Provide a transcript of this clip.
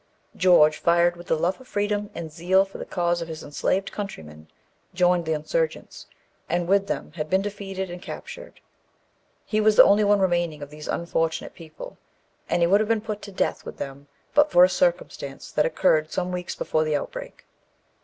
George, fired with the love of freedom, and zeal for the cause of his enslaved countrymen, joined the insurgents, and with them had been defeated and captured. He was the only one remaining of these unfortunate people, and he would have been put to death with them but for a circumstance that occurred some weeks before the outbreak.